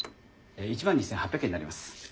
１万２，８００円になります。